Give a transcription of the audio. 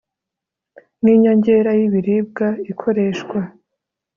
ni inyongera y'ibiribwa ikoreshwa